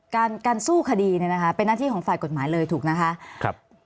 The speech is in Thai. การสู้คดีเป็นนาธิของฝ่ายกฎหมายเลยถูกนะคะ